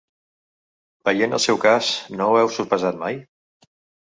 Veient el seu cas, no ho heu sospesat mai?